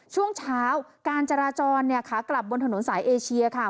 ช่วงเช้าการจราจรเนี่ยขากลับบนถนนสายเอเชียค่ะ